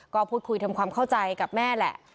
ก็พูดคุยทำความเข้าใจกับแม่แหละ